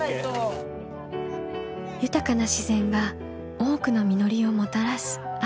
豊かな自然が多くの実りをもたらす秋。